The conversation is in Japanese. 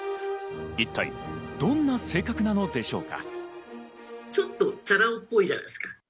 一体どんな性格なのでしょうか。